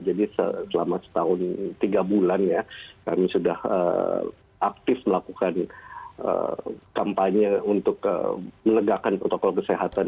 jadi selama setahun tiga bulan ya kami sudah aktif melakukan kampanye untuk menegakkan protokol kesehatan